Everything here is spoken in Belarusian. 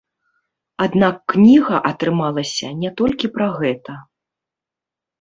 Аднак кніга атрымалася не толькі пра гэта.